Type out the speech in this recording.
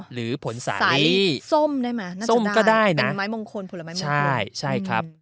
หรือผลสายสีส้มได้ไหมน้ำส้มก็ได้นะเป็นไม้มงคลผลไม้มงคลใช่ใช่ครับ